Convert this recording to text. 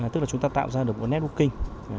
tức là chúng ta tạo ra được một networking